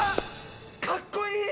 かっこいい！